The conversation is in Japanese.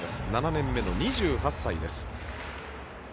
７年目の２８歳です。